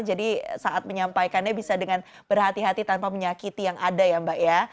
jadi saat menyampaikannya bisa dengan berhati hati tanpa menyakiti yang ada ya mbak ya